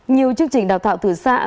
nhiều chương trình đào tạo thử gia